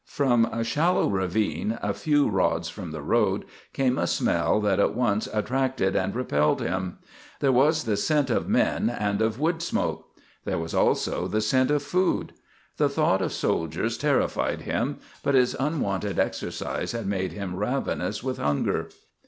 From a shallow ravine a few rods from the road came a smell that at once attracted and repelled him. There was the scent of men and of wood smoke. There was also the scent of food. The thought of soldiers terrified him, but his unwonted exercise had made him ravenous with hunger.